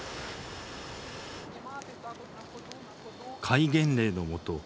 戒厳令のもと